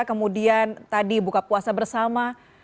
kemudian tadi buka puasa bersama